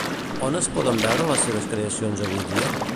On es poden veure les seves creacions avui dia?